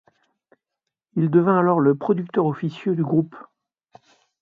Il devint alors le producteur officieux du groupe.